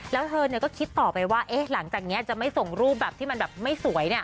แล้วเธอก็คิดต่อไปว่าเอ๊ะหลังจากนี้จะไม่ส่งรูปแบบที่มันแบบไม่สวยเนี่ย